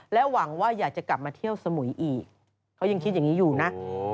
หวังว่าอยากจะกลับมาเที่ยวสมุยอีกเขายังคิดอย่างนี้อยู่นะ